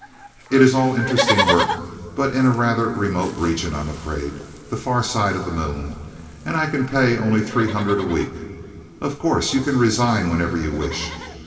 It is all interesting work, but in a rather remote region, I'm afraid the far side of the Moon. And I can pay only three hundred a week. Of course you can resign whenever you wish.